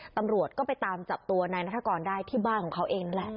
ตำรวจก็ไปตามจับตัวนายนัฐกรได้ที่บ้านของเขาเองนั่นแหละ